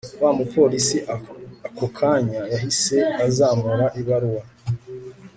Wamupolice akokanya yahise azamura ibaruwa